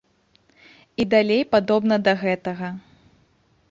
І далей падобна да гэтага.